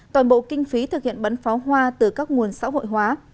toàn bộ kinh phí thực hiện bắn pháo hoa từ các nguồn xã hội hóa